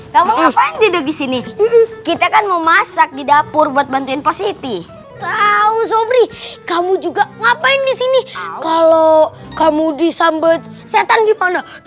kamu ngapain dia di sini kita kan mau masak di dapur buat bantuin positif tau zobri kamu juga ngapain di sini kalau kamu disambut setan di mana